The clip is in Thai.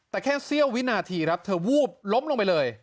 แต่แค่เสี้ยววินาทีครับเธอวูบล้มลงไปเลย